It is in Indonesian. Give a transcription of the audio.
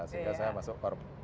sehingga saya masuk korps pelaut